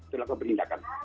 itu adalah perindakan